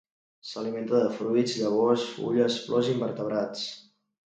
S'alimenta de fruits, llavors, fulles, flors i invertebrats.